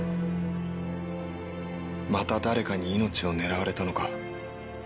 また誰かに命を狙われたのか？